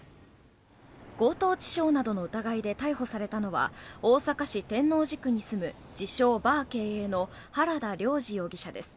強盗致傷などの疑いで逮捕されたのは大阪市天王寺区に住む自称・バー経営の原田凌司容疑者です。